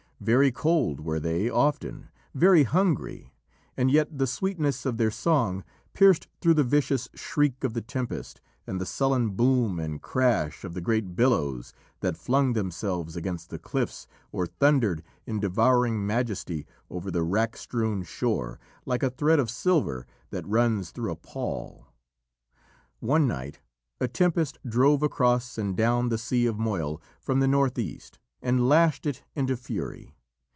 Very cold were they often, very hungry, and yet the sweetness of their song pierced through the vicious shriek of the tempest and the sullen boom and crash of the great billows that flung themselves against the cliffs or thundered in devouring majesty over the wrack strewn shore, like a thread of silver that runs through a pall. One night a tempest drove across and down the Sea of Moyle from the north east, and lashed it into fury.